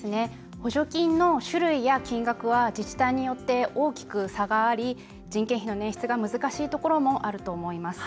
補助金の種類や金額は自治体によって、大きく差があり人件費の捻出が難しいところもあると思います。